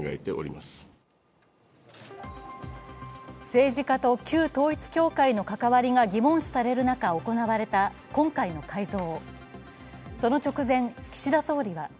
政治家と旧統一教会の関わりが疑問視される中行われた今回の改造。